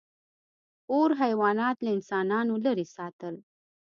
• اور حیوانات له انسانانو لرې ساتل.